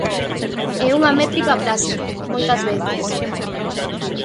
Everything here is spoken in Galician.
E unha métrica clásica, moitas veces.